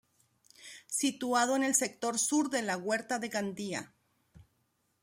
Situado en el sector sur de la Huerta de Gandía.